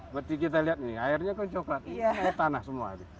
berarti kita lihat nih airnya kan coklat tanah semua